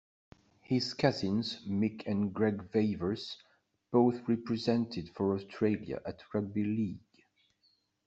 His cousins, Mick and Greg Veivers, both represented for Australia at rugby league.